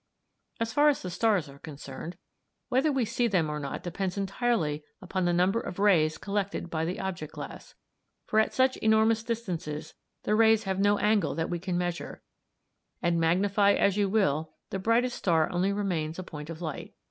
As far as the stars are concerned, whether we see them or not depends entirely upon the number of rays collected by the object glass; for at such enormous distances the rays have no angle that we can measure, and magnify as you will, the brightest star only remains a point of light.